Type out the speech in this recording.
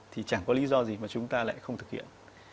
thì chẳng có lý do gì mà chúng ta lại không thực hiện